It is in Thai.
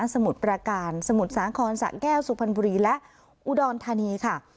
สมุทรประการสมุทรสาครสะแก้วสุพรรณบุรีและอุดรธานีค่ะ